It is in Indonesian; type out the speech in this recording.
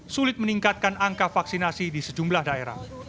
sulit meningkatkan angka vaksinasi di sejumlah daerah